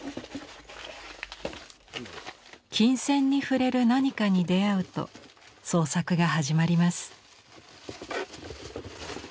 琴線に触れる何かに出会うと創作が始まります。